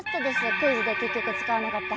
クイズで結局使わなかった。